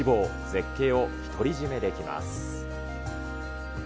絶景を独り占めできます。